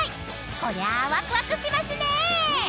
［こりゃワクワクしますね］